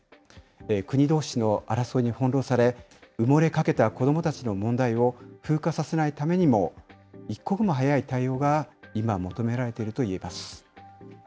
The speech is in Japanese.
国どうしの争いに翻弄され、埋もれかけた子どもたちの問題を風化させないためにも、一刻も早い対応が今、求められているといえます。